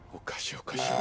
おかしい。